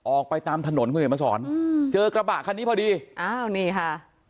ออกไปตามถนนคุณเห็นมาสอนเจอกระบะคันนี้พอดีอ้าวนี่ค่ะ